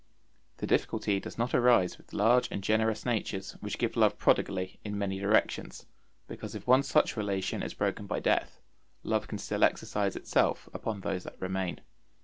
The difficulty does not arise with large and generous natures which give love prodigally in many directions, because if one such relation is broken by death, love can still exercise itself upon those that remain.